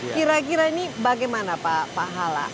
kira kira ini bagaimana pak hala